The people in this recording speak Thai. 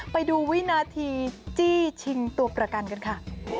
ไปดูวินาทีจี้ชิงตัวประกันกันค่ะ